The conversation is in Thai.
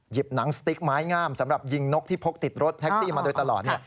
หนังสติ๊กไม้งามสำหรับยิงนกที่พกติดรถแท็กซี่มาโดยตลอดเนี่ย